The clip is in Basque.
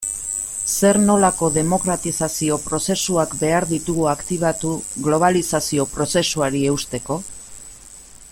Zer nolako demokratizazio prozesuak behar ditugu aktibatu globalizazio prozesuari eusteko?